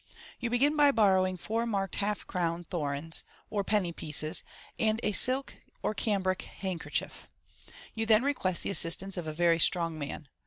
— You begin by borrowing four marked half crowns florins, or penny pieces, and a silk or cambric handkerchief. You then request the assistance of a very strong man.